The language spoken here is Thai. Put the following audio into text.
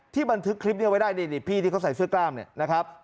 ที่บันทึกคลิปนี้เอาไว้ได้พี่ที่เขาใส่เสื้อกล้ามนะครับ